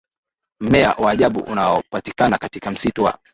mmea wa ajabu unaopatikana katika msitu wa